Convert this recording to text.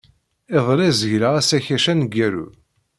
Iḍelli, zegleɣ asakac aneggaru.